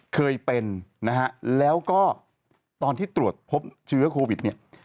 เคยเป็นนะฮะแล้วก็ตอนที่ตรวจพบเชื้อโควิดเนี่ย